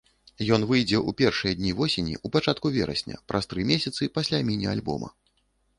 Ён выйдзе ў першыя дні восені, ў пачатку верасня, праз тры месяцы пасля міні-альбома.